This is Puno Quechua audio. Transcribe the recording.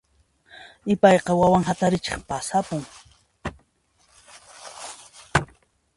Ipayqa wawan hatarichiq pasapun.